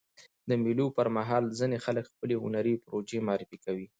د مېلو پر مهال ځيني خلک خپلي هنري پروژې معرفي کوي.